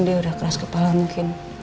dia udah keras kepala mungkin